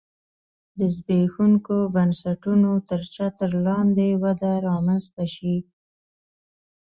د زبېښونکو بنسټونو تر چتر لاندې وده رامنځته شي